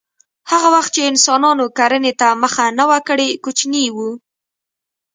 هغه وخت چې انسانانو کرنې ته مخه نه وه کړې کوچني وو